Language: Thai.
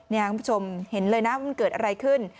นี่คุณผู้ชมเห็นเลยนะว่ามันเกิดอะไรขึ้น